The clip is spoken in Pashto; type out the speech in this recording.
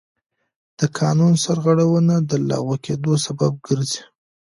د قانون سرغړونه د لغوه کېدو سبب ګرځي.